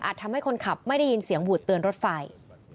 ทำให้คนขับไม่ได้ยินเสียงหวูดเตือนรถไฟ